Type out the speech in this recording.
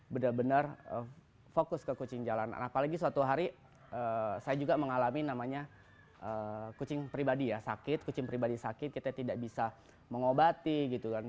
benar benar fokus ke kucing jalan apalagi suatu hari saya juga mengalami namanya kucing pribadi ya sakit kucing pribadi sakit kita tidak bisa mengobati gitu kan